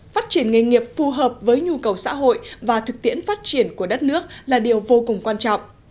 phát triển nghề nghiệp phù hợp với nhu cầu xã hội và thực tiễn phát triển của đất nước là điều vô cùng quan trọng